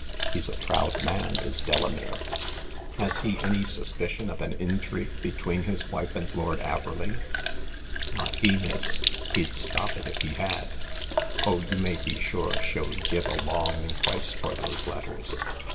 He's a proud man, is Delamere." Has he any suspicion of an intrigue between his wife and Lord Averley ?"" Not he, miss ; he'd stop it if he had. Oh, you may be sure she'll give a long price for those letters."